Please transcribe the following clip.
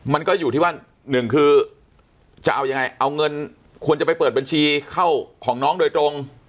มันก็อยู่ที่ว่าหนึ่งคือจะเอายังไงเอาเงินควรจะไปเปิดบัญชีเข้าของน้องโดยตรง